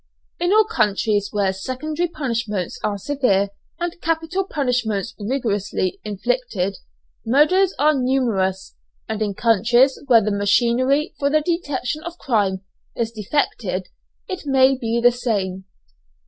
In all countries where secondary punishments are severe and capital punishments rigorously inflicted, murders are numerous, and in countries where the machinery for the detection of crime is defective it may be the same.